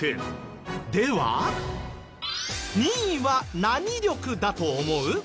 では２位は何力だと思う？